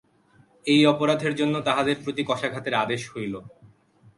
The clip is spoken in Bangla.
এই অপরাধের জন্য তাহাদের প্রতি কশাঘাতের আদেশ হইল।